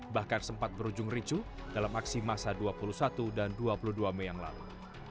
bahkan sempat berujung ricu dalam aksi masa dua puluh satu dan dua puluh dua mei yang lalu